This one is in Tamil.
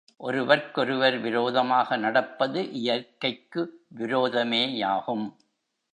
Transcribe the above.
ஒருவர்க்கொருவர் விரோதமாக நடப்பது இயற்கைகக்கு விரோதமேயாகும்.